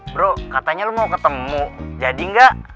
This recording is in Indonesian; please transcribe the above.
bro katanya lo mau ketemu jadi nggak